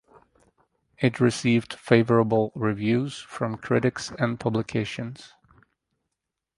It received favorable reviews from critics and publications.